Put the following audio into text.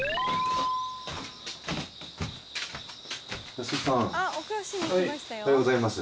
安井さんおはようございます。